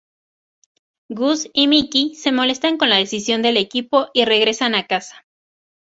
Gus y Mickey se molestan con la decisión del equipo y regresan a casa.